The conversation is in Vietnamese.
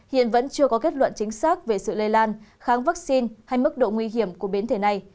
hiện vẫn chưa có kết luận chính xác về sự lây lan kháng vaccine hay mức độ nguy hiểm của biến thể này